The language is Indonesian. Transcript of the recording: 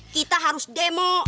kita harus demo